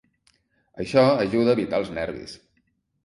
Això ajuda a evitar els nervis.